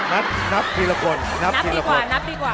นับทีละคน